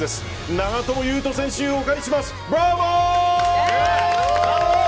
長友佑都選手、お借りしますブラボー！